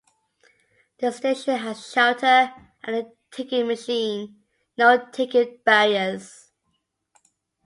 The station has shelter and a ticket machine, no ticket barriers.